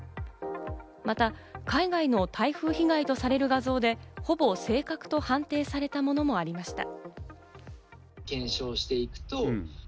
また海外の台風被害とされる画像でほぼ正確と判定されたものもありました。